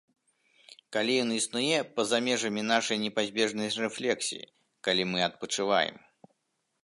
Калі ён існуе па-за межамі нашай непазбежнай рэфлексіі, калі мы адпачываем.